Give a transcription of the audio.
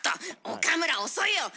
岡村遅いよ。